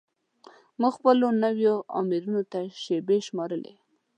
موږ خپلو نویو آمرینو ته شیبې شمیرلې.